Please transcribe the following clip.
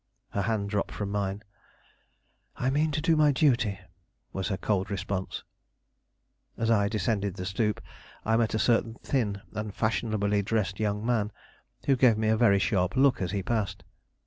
Her hand dropped from mine. "I mean to do my duty," was her cold response. As I descended the stoop, I met a certain thin and fashionably dressed young man, who gave me a very sharp look as he passed.